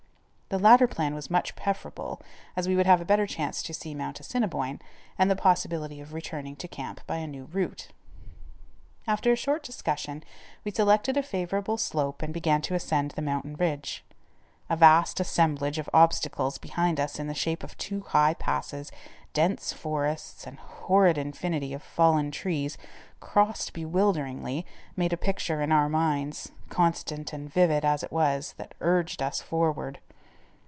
The latter plan was much preferable, as we would have a better chance to see Mount Assiniboine, and the possibility of returning to camp by a new route. After a short discussion, we selected a favorable slope and began to ascend the mountain ridge. A vast assemblage of obstacles behind us in the shape of two high passes, dense forests, and a horrid infinity of fallen trees, crossed bewilderingly, made a picture in our minds, constant and vivid as it was, that urged us forward.